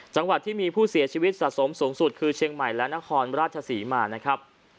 จังหวัดที่มีผู้เสียชีวิตสะสมสูงสุดคือเชียงใหม่และนครราชศรีมานะครับ